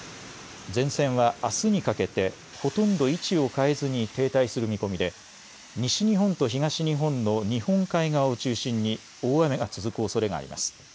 前線はあすにかけてほとんど位置を変えずに停滞する見込みで西日本と東日本の日本海側を中心に大雨が続くおそれがあります。